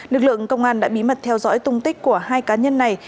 lực lượng công an đã bí mật theo dõi tung tích của hai cá nhân này